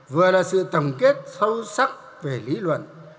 vừa là sự tổng kết sâu sắc về lý luận